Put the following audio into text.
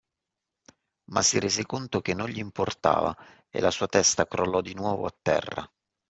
Ma si rese conto che non gli importava e la sua testa crollò di nuovo a terra.